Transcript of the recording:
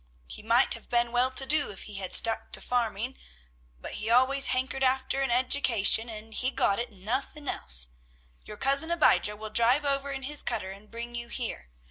He might have been well to do if he had stuck to farming, but he always hankered after an eddication, and he got it, and nothin' else. Your Cousin Abijah will drive over in his cutter and bring you here.